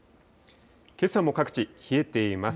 けさも各地、冷えています。